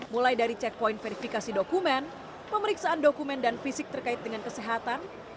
mulai dari checkpoint verifikasi dokumen pemeriksaan dokumen dan fisik terkait dengan kesehatan